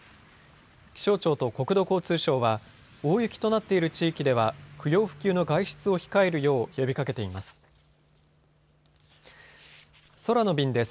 気象庁と国土交通省は大雪となっている地域では不要不急の外出を控えるよう呼びかけています。